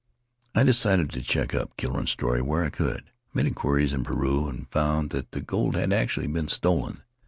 I decided to check up Killo rain's story where I could. I made inquiries in Peru, and found that the gold had actually been stolen.